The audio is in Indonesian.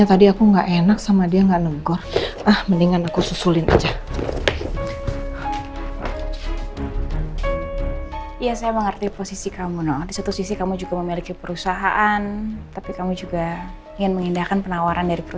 aduh harus di pesen lagi deh nih